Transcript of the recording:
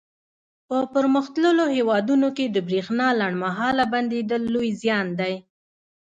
په پرمختللو هېوادونو کې د برېښنا لنډ مهاله بندېدل لوی زیان دی.